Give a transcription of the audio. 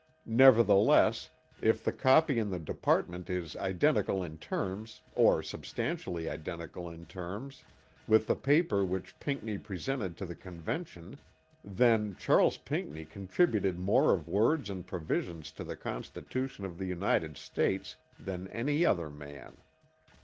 Nevertheless, if the copy in the Department is identical in terms, or substantially identical in terms, with the paper which Pinckney presented to the Convention, then Charles Pinckney contributed more of words and provisions to the Constitution of the United States than any other man.